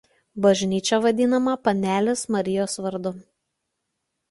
Bažnyčia vadinama Panelės Marijos vardu.